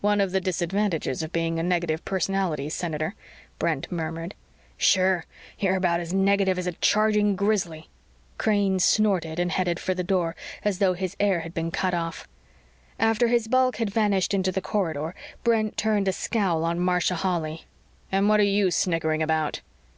"One of the disadvantages of being a negative personality, Senator," Brent murmured. "Sure! You're about as negative as a charging grizzly," Crane snorted and headed for the door as though his air had been cut off. After his bulk had vanished into the corridor, Brent turned a scowl on Marcia Holly. "And what are you snickering about."